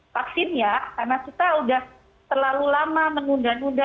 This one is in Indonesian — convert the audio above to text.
vaksin ya karena kita sudah terlalu lama menunda nunda